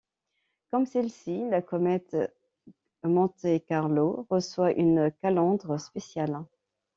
Comme celle-ci, la Comète Monte-Carlo reçoit une calandre spéciale.